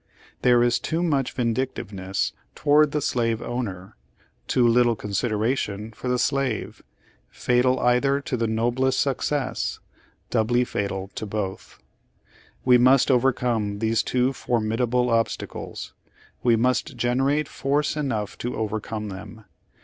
There is too much vindictiveness toward the slave ov/ner — too little consideration for the slave — fatal either to the noblest suc cess — doubly fatal both. We must overcome these two for midable obstacles. We must generate force enough to overcome them.